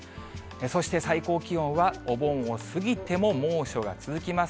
そして最高気温は、お盆を過ぎても猛暑が続きます。